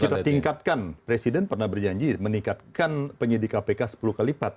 kita tingkatkan presiden pernah berjanji meningkatkan penyidik kpk sepuluh kali lipat